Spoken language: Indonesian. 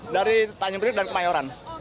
dari tanjung priok dan kemayoran